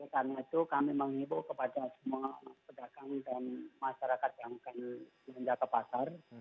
karena itu kami menghibur kepada semua pedagang dan masyarakat yang akan menjaga pasar